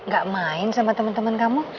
gak main sama temen temen kamu